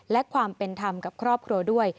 และความเป็นธรรมกับครอบครัวด้วย